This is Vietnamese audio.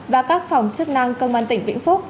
và các phòng chức năng công an tỉnh vĩnh phúc